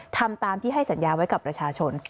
ทำตามที่ให้สัญญาไว้กับประชาชน